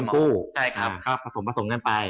กองหุ้นกู้